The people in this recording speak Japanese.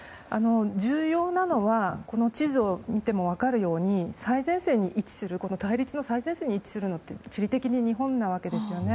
重要なのはこの地図を見ても分かるように対立の最前線に位置するのって地理的に日本なんですね。